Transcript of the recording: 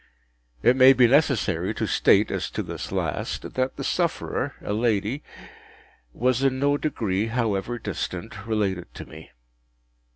It may be necessary to state as to this last, that the sufferer (a lady) was in no degree, however distant, related to me.